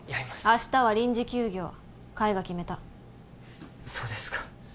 明日は臨時休業海が決めたそうですか